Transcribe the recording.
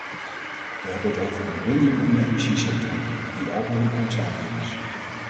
We hebben het over ontbundeling in de energiesector, die al dan niet noodzakelijk is.